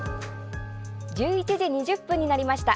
１１時２０分になりました。